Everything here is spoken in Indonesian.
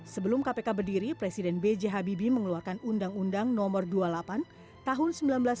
sebelum kpk berdiri presiden b j habibie mengeluarkan undang undang no dua puluh delapan tahun seribu sembilan ratus sembilan puluh